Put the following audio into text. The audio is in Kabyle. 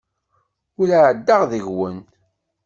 Ur ɛeddaɣ deg-wen.